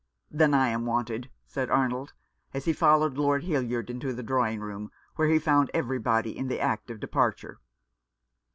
"Then I am wanted," said Arnold, as he followed Lord Hildyard into the drawing room, where he found everybody in the act of departure.